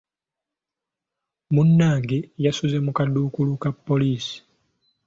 Munnange yasuze mu kaduukulu ka poliisi.